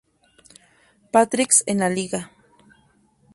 Patrick's en la liga.